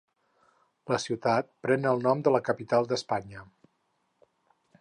La ciutat pren el nom de la capital d'Espanya.